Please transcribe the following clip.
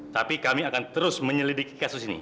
tapi kami akan terus menyelidiki kasus ini